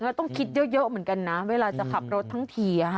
ต้องคิดเยอะเหมือนกันนะเวลาจะขับรถทั้งที